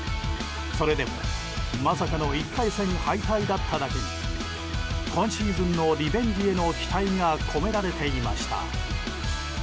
それでもまさかの１回戦敗退だっただけに今シーズンのリベンジへの期待が込められていました。